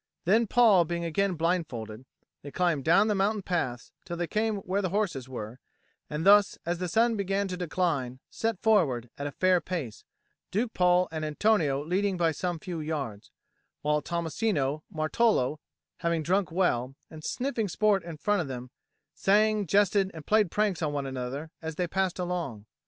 Then, Paul being again blindfolded, they climbed down the mountain paths till they came where the horses were, and thus, as the sun began to decline, set forward, at a fair pace, Duke Paul and Antonio leading by some few yards; while Tommasino and Martolo, having drunk well, and sniffing sport in front of them, sang, jested, and played pranks on one another as they passed along.